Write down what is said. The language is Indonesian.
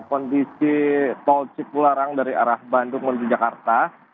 kondisi tol cipularang dari arah bandung menuju jakarta